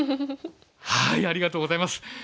ありがとうございます。